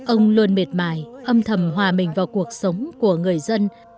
ông luôn mệt mại âm thầm hòa mình vào cuộc sống của người dân